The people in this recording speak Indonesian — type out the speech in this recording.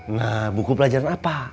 nah buku pelajaran apa